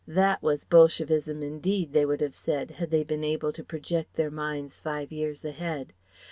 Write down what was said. That was Bolshevism, indeed, they would have said, had they been able to project their minds five years ahead.